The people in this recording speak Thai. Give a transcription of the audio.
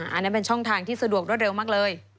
อันนั้นเป็นช่องทางที่สะดวกรวดเร็วมากเลย